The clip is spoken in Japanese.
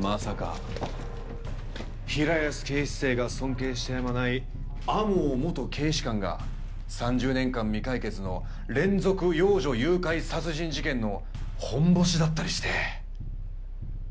まさか平安警視正が尊敬してやまない天羽元警視監が３０年間未解決の連続幼女誘拐殺人事件のホンボシだったりして。